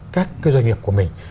các cái doanh nghiệp của mình